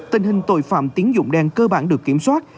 tình hình tội phạm tín dụng đen cơ bản được kiểm soát